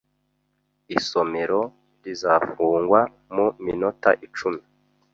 Isomero rizafungwa mu minota icumi.